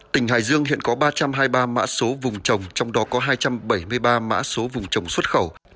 tỉnh hải dương hiện có ba trăm hai mươi ba mã số vùng trồng trong đó có hai trăm bảy mươi ba mã số vùng trồng xuất khẩu